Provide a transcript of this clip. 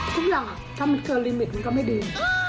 ทุกอย่างถ้ามันเกินลิมิตมันก็ไม่ดี